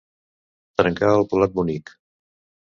Trencar el plat bonic.